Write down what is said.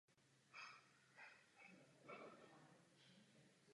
Na to nikdy nesmíme zapomenout.